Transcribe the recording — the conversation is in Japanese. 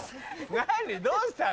何どうしたの？